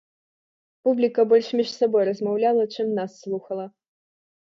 Публіка больш між сабой размаўляла, чым нас слухала.